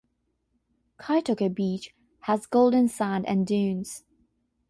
Kaitoke Beach has golden sand and dunes.